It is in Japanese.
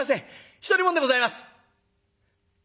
独り者でございます」。